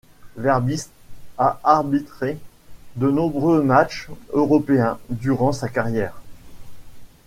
Verbist a arbitré de nombreux matchs européens durant sa carrière.